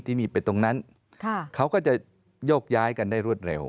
หนีไปตรงนั้นเขาก็จะโยกย้ายกันได้รวดเร็ว